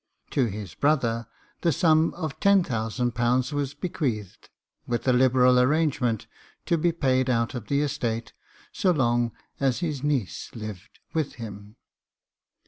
To his brother, the sum of ^T 10,000 was bequeathed, with a liberal arrange ment, to be paid out of the estate, so long as his niece lived with him.